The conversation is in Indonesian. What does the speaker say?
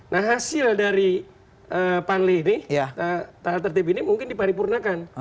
nah hasil dari panlih ini tatip ini mungkin diparipurnakan